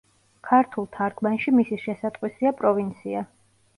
ქართულ თარგმანში მისი შესატყვისია პროვინცია.